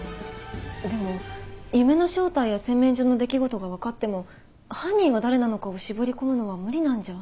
でも夢の正体や洗面所の出来事が分かっても犯人が誰なのかを絞り込むのは無理なんじゃ。